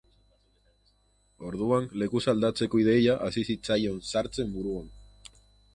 Orduan, lekuz aldatzeko ideia hasi zitzaion sartzen buruan.